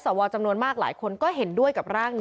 ทางคุณชัยธวัดก็บอกว่าการยื่นเรื่องแก้ไขมาตรวจสองเจน